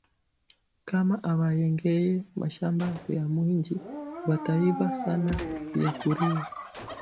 Kama abayengeye mashamba ba mwinji bata iba sana bia kuria